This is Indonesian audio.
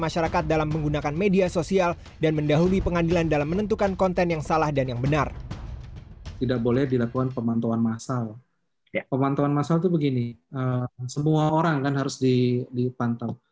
semua orang harus dipantau